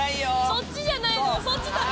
そっちじゃないのよ。